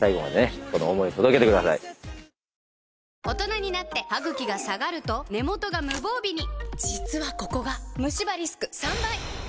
大人になってハグキが下がると根元が無防備に実はここがムシ歯リスク３倍！